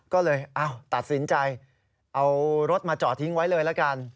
ก็เลยตัดสินใจเอารถมาจอดทิ้งไว้เลยละกัน